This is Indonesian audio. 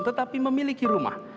tetapi memiliki rumah